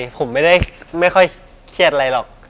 ผมไม่ได้ไม่ค่อยเครียดอะไรหรอก